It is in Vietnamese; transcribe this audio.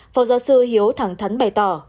phó giáo sư hiếu thẳng thắn bày tỏ